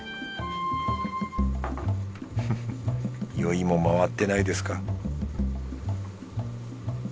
フフッ酔いも回ってないですか